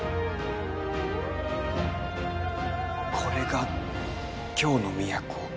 これが京の都。